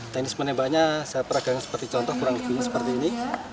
teknis menembaknya saya peragang seperti contoh kurang lebih seperti ini